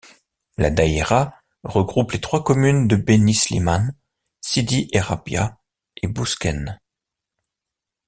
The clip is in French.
La daïra regroupe les trois communes de Beni Slimane, Sidi Errabia et Bouskene.